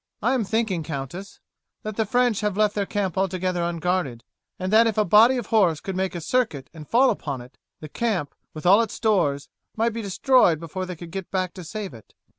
"I am thinking, Countess, that the French have left their camp altogether unguarded, and that if a body of horse could make a circuit and fall upon it, the camp, with all its stores, might be destroyed before they could get back to save it."